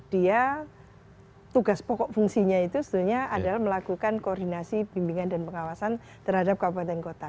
dia tugas pokok fungsinya itu adalah melakukan koordinasi bimbingan dan pengawasan terhadap kabupaten kota